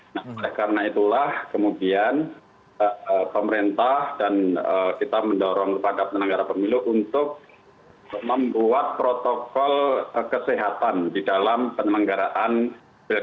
nah oleh karena itulah kemudian pemerintah dan kita mendorong kepada penyelenggara pemilu untuk membuat protokol kesehatan di dalam penyelenggaraan pilkada